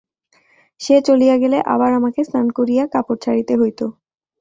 সে চলিয়া গেলে আবার আমাকে স্নান করিয়া কাপড় ছাড়িতে হইত।